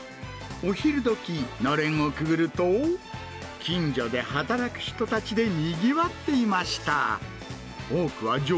お昼どき、のれんをくぐると、近所で働く人たちでにぎわっていました。